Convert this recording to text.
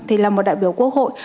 thì là một đại biểu quốc hội